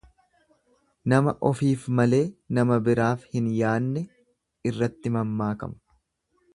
Nama ofiif malee nama biraaf hin yaanne irratti mammaakama.